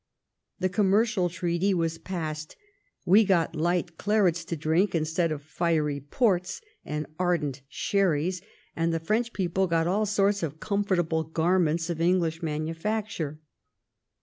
The Commercial Treaty was passed; we got light clarets to drink instead of fiery ports and ardent sherries; and the French people got all sorts of comfortable garments of English manufacture.